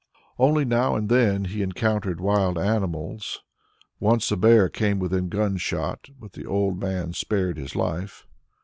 Only now and then he encountered wild animals. Once a bear came within gun shot, but the old man spared his life.